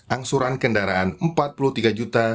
angsuran kendaraan empat puluh tiga juta